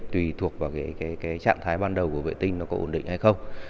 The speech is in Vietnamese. tùy thuộc vào cái trạng thái ban đầu của vệ tinh nó có ổn định hay không